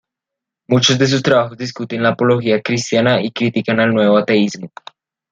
Muchos de sus trabajos discuten la apología cristiana y critican al nuevo ateísmo.